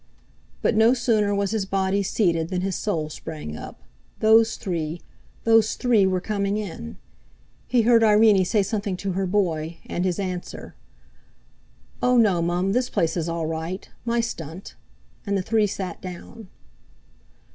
But no sooner was his body seated than his soul sprang up. Those three—those three were coming in! He heard Irene say something to her boy, and his answer: "Oh! no, Mum; this place is all right. My stunt." And the three sat down.